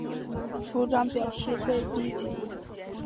处长表示被逼紧了